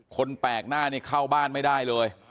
คนแปลกหน้านี่เข้าบ้านไม่ได้เลย